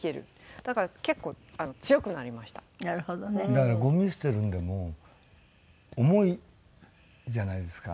だからごみ捨てるのでも重いじゃないですか。